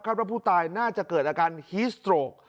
ครับรับผู้ตายน่าจะเกิดอาการฮีสโตรก